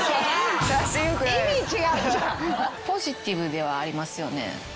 ポジティブではありますよね。